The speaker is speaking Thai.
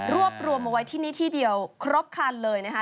รวบรวมเอาไว้ที่นี่ที่เดียวครบครันเลยนะคะ